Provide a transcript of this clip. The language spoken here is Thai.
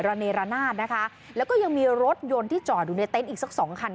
ระเนรนาศนะคะแล้วก็ยังมีรถยนต์ที่จอดอยู่ในเต็นต์อีกสักสองคัน